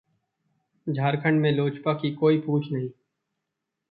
झारखंड में लोजपा की कोई पूछ नहीं